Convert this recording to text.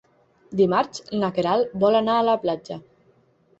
Dimarts na Queralt vol anar a la platja.